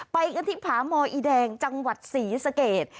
ไปกันที่ผาหมออีแดงจังหวัดศรีสเกต